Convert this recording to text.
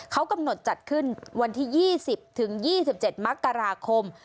เขากำหนดจัดขึ้นวันที่ยี่สิบถึงยี่สิบเจ็ดมักกราคม